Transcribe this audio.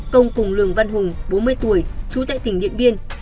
công cùng lường văn hùng bốn mươi tuổi trú tại tỉnh điện biên